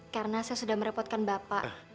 karena saya sudah merepotkan bapak